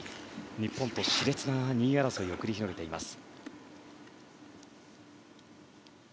日本と熾烈な２位争いを繰り広げています。